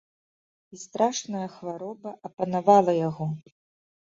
І страшная хвароба апанавала яго.